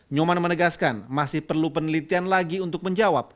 nyoman menegaskan masih perlu penelitian lagi untuk menjawab